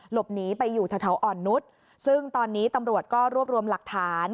หลบหนีไปอยู่แถวอ่อนนุษย์ซึ่งตอนนี้ตำรวจก็รวบรวมหลักฐาน